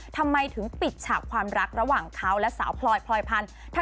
ทำไมถึงปิดฉากความรักระหว่างเขาและสาวพลอยพลอยพันธุ์